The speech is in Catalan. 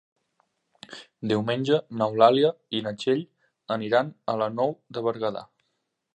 Diumenge n'Eulàlia i na Txell aniran a la Nou de Berguedà.